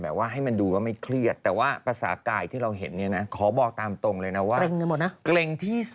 ไม่ได้ยอมรับว่าทำเพราะความโกรธ